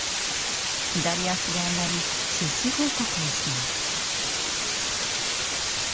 左足で上がり、出仕報告をします。